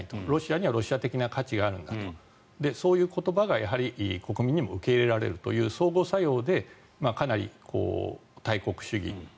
ロシアにはロシア的な価値があるんだというそういう言葉が国民にも受け入れられるという相互作用でかなり大国主義